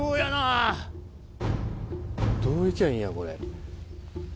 どう行きゃいいんやこれ。